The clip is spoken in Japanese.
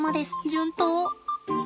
順当。